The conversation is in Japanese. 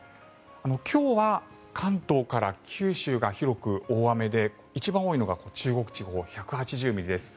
今日は関東から九州が広く大雨で一番多いのが中国地方１８０ミリです。